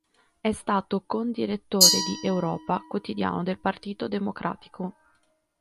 È stato condirettore di "Europa", quotidiano del Partito Democratico.